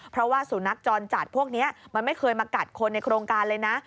เพราะว่าสุนัขจรจัดพวกนี้มันไม่เคยมากัดคนในโครงการเลยนะ